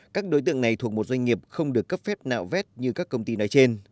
các đối tượng này thuộc một doanh nghiệp không được cấp phép nạo vét như các công ty nói trên